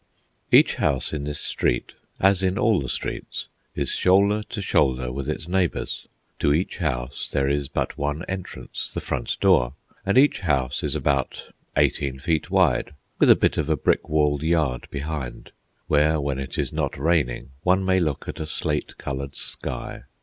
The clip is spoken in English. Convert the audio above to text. Each house in this street, as in all the streets, is shoulder to shoulder with its neighbours. To each house there is but one entrance, the front door; and each house is about eighteen feet wide, with a bit of a brick walled yard behind, where, when it is not raining, one may look at a slate coloured sky.